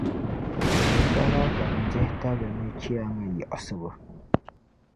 Bɛ pala ban dihitabli ni Chiyaama yiɣisibu.